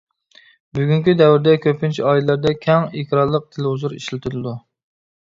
بۈگۈنكى دەۋردە كۆپىنچە ئائىلىلەردە كەڭ ئېكرانلىق تېلېۋىزور ئىشلىتىدۇ.